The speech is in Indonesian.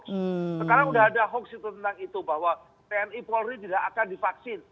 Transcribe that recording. sekarang sudah ada hoax itu tentang itu bahwa tni polri tidak akan divaksin